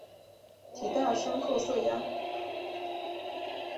体大深褐色鸭。